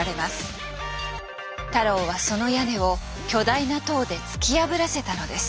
太郎はその屋根を巨大な塔で突き破らせたのです。